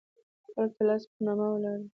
خلکو ته لاس په نامه ولاړ دي.